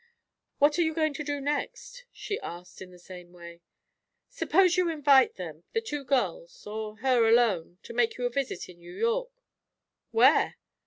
"What are you going to do next?" she asked in the same way. "Suppose you invite them the two girls or her alone to make you a visit in New York?" "Where?"